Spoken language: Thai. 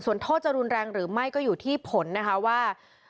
ส่วนโทษจะรุนแรงหรือไม่ก็อยู่ที่ผลนะคะว่า